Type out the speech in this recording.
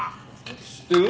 知ってる？